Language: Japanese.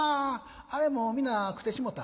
あれもう皆食てしもた」。